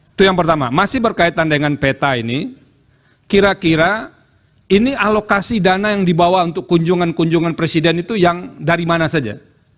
itu yang pertama masih berkaitan dengan peta ini kira kira ini alokasi dana yang dibawa untuk kunjungan kunjungan presiden itu yang dari mana saja